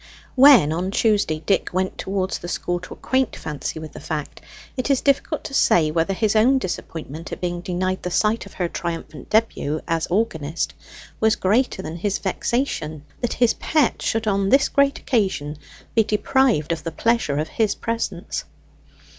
When on Tuesday, Dick went towards the school to acquaint Fancy with the fact, it is difficult to say whether his own disappointment at being denied the sight of her triumphant debut as organist, was greater than his vexation that his pet should on this great occasion be deprived of the pleasure of his presence.